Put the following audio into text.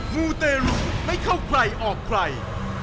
มูเตรุไม่เข้าใครออกใคร